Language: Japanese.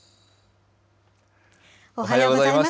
おはようございます。